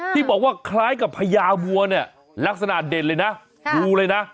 ที่บอกว่าคล้ายกับพญาวัวเนี่ยลักษณะเด่นเลยนะดูเลยนะ